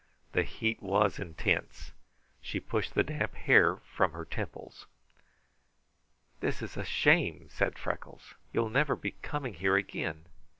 The heat was intense. She pushed the damp hair from her temples. "This is a shame!" said Freckles. "You'll never be coming here again."